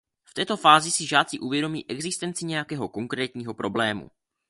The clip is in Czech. V této fázi si žáci uvědomí existenci nějakého konkrétního problému.